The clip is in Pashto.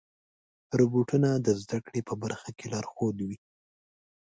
روبوټونه د زدهکړې په برخه کې لارښود وي.